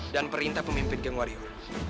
dan perintah pemimpin geng warior